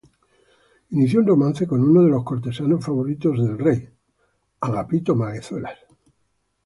Inició un romance con uno de los cortesanos favoritos del rey, Thomas Culpeper.